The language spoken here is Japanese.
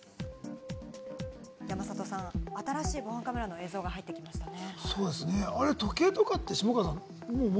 山里さん、新しい防犯カメラの映像が入ってきましたね。